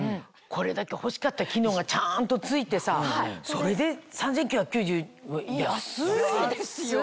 これだけ欲しかった機能がちゃんと付いてさそれで３９９０は安いですよ！